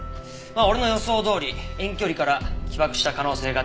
まあ俺の予想どおり遠距離から起爆した可能性が出ちゃったわけで。